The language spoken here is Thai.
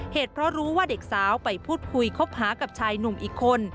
เหตุเพราะรู้ว่าเด็กสาวไปพูดคุยคบหากับชายหนุ่มอีกคน